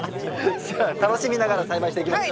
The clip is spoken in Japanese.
じゃあ楽しみながら栽培していきましょう。